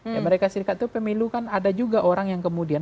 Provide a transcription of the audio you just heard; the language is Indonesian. di amerika serikat itu pemilu kan ada juga orang yang kemudian